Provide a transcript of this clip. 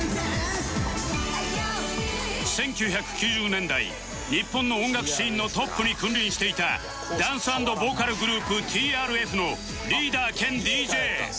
１９９０年代日本の音楽シーンのトップに君臨していたダンス＆ボーカルグループ ＴＲＦ のリーダー兼 ＤＪ